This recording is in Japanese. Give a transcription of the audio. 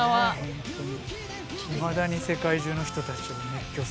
本当に。